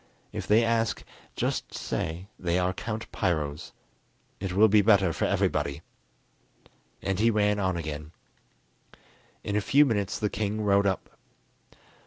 If they ask, just say they are Count Piro's; it will be better for everybody." And he ran on again. In a few minutes the king rode up.